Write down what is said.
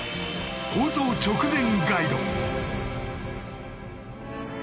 放送直前ガイド